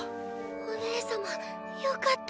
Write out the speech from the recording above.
お姉様よかった。